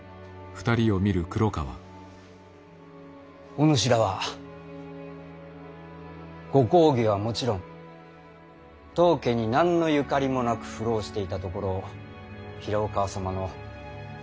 お主らはご公儀はもちろん当家に何のゆかりもなく浮浪していたところを平岡様の推挙により出仕した。